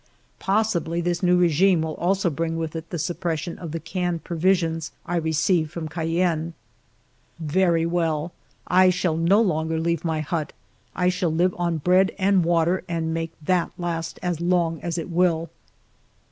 Possibly this new regime will also bring with it the suppression of the canned provisions 1 received from Cayenne. Very well ! I shall no longer leave my hut ; I shall live on bread and water and make that last as long as it will.